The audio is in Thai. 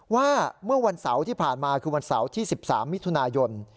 ว่าเมื่อวันเสาร์ที่ผ่านมาคือวันเสาร์ที่๑๓มิถุนายน